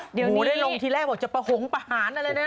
เดี๋ยวหนูได้ลงทีแรกบอกจะประหงประหารอะไรนะ